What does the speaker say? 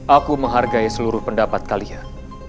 aku menghargai seluruh pendapat kalian